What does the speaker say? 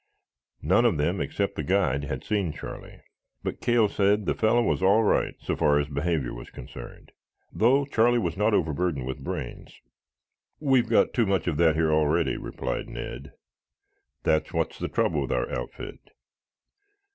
None of them, except the guide, had seen Charlie, but Cale said the fellow was all right so far as behavior was concerned, though Charlie was not overburdened with brains. "We've got too much of that here already," replied Ned. "That's what's the trouble with our outfit."